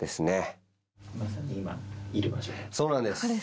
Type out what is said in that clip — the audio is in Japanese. そうなんです。